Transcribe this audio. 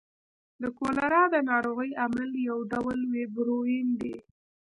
د کولرا د نارغۍ عامل یو ډول ویبریون دی.